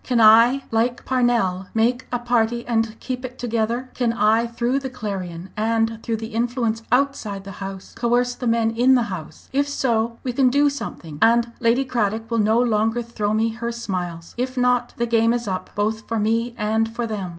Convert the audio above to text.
"Can I like Parnell make a party and keep it together? Can I through the Clarion and through influence outside the House coerce the men in the House? If so, we can do something, and Lady Cradock will no longer throw me her smiles. If not the game is up, both for me and for them.